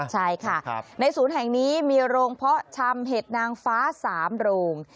ใช่ค่ะในศูนย์แห่งนี้มีโรงเพาะชำเห็ดนางฟ้า๓โรง